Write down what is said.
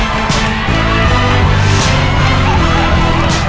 พิมพ์พิมพ์มาช่วยหน่อยก็ได้นะ